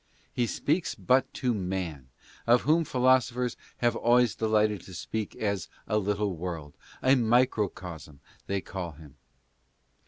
He speaks but to man, of whom philosophers have always delighted to speak as a little world — a "Microcosm," they call him.